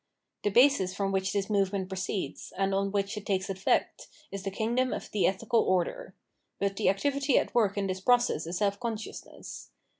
The basis from which this movement proceeds, and on which it takes effect, is the kingdom of the ethical order. But the activity at work in this process is self consciousness.